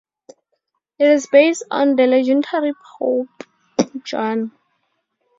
It is based on the legendary Pope Joan.